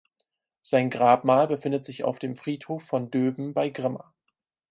Sein Grabmal befindet sich auf dem Friedhof von Döben bei Grimma.